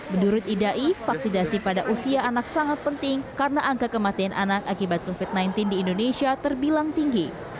menurut idai vaksinasi pada usia anak sangat penting karena angka kematian anak akibat covid sembilan belas di indonesia terbilang tinggi